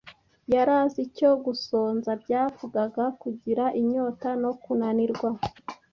Yari azi icyo gusonza byavugaga, kugira inyota no kunanirwa.